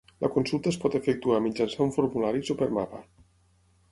La consulta es pot efectuar mitjançant formularis o per mapa.